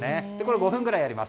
５分くらいやります。